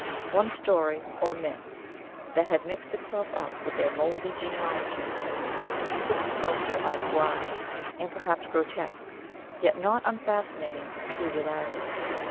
One story, or myth, that had mixed itself up with their mouldy genealogy, interested the sculptor by its wild, and perhaps grotesque, yet not unfascinating peculiarity.